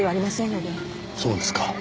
そうですか。